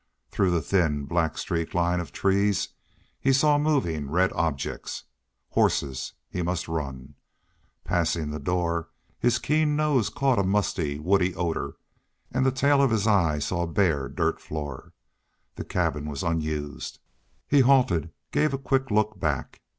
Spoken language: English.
Through the thin, black streaked line of trees he saw moving red objects. Horses! He must run. Passing the door, his keen nose caught a musty, woody odor and the tail of his eye saw bare dirt floor. This cabin was unused. He halted gave a quick look back.